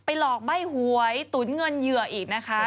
หลอกใบ้หวยตุ๋นเงินเหยื่ออีกนะคะ